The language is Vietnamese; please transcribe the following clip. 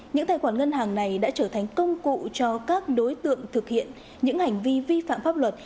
những tài khoản ngân hàng này đã trở thành công cụ cho các đối tượng thực hiện những hành vi vi phạm pháp luật